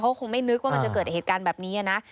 เขาคงไม่นึกว่ามันจะเกิดเหตุการณ์แบบนี้นะ